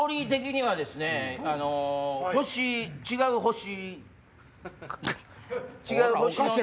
違う星？